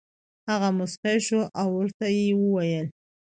هغه موسکی شو او ورته یې وویل: